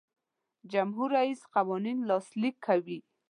جمهور رئیس قوانین لاسلیک کوي.